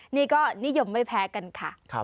นี่ก็นิยมไม่แพ้กันค่ะ